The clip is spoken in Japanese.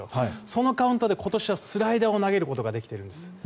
そのカウントで今年はスライダーを投げることができているんです。